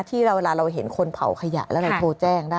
เวลาเราเห็นคนเผาขยะแล้วเราโทรแจ้งได้